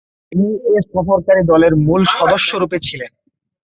তিনি এ সফরকারী দলের মূল সদস্যরূপে ছিলেন।